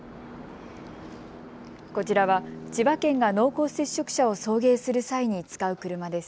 こちらは千葉県が濃厚接触者を送迎する際に使う車です。